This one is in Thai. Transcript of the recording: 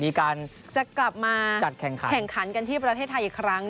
มีการจะกลับมาแข่งขันกันที่ประเทศไทยอีกครั้ง